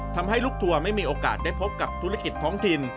ทำให้ลูกทัวร์ไม่มีโอกาสได้พบกับธุรกิจท้องถิ่น